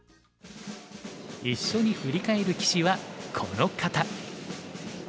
一緒に振り返る棋士はこの方。